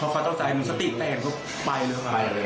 แล้วก็เป็นเขาก็อ้าวมึงมาไงนะเนี่ย